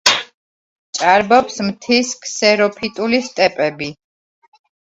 ჭარბობს მთის ქსეროფიტული სტეპები.